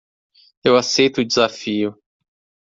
Eu aceito o desafio.